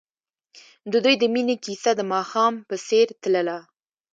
د دوی د مینې کیسه د ماښام په څېر تلله.